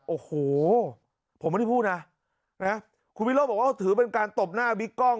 โอ้โหผมไม่ได้พูดนะนะคุณวิโรธบอกว่าถือเป็นการตบหน้าบิ๊กกล้อง